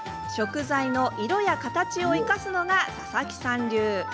食材の色や形を生かすのが佐々木さん流。